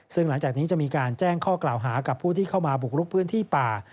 ซึ่งหลังจากนี้จะมีการแจ้งข้อกล่าวหากับผู้ที่เข้ามาบุกลุกพื้นที่ป่า